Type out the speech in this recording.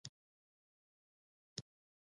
دواړو خواوو ځان نقد کولو ته حاضره نه شوه.